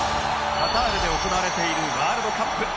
カタールで行われているワールドカップ